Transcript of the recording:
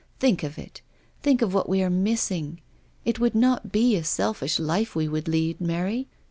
Think of it, think of what we are missing ? It would not be a selfish life we would lead, Mary.